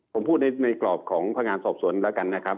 ผมพูดในกรอบของพนักงานสอบสวนแล้วกันนะครับ